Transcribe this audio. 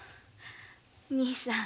兄さん